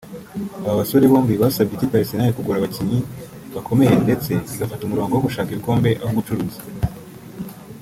Aba basore bombi basabye ikipe ya Arsenal kugura abakinnyi bakomeye ndetse igafata umurongo wo gushaka ibikombe aho gucuruza